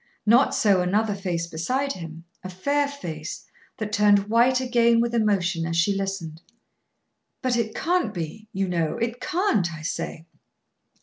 Not so another face beside him, a fair face; that turned white again with emotion as she listened. "But it can't be, you know. It can't, I say."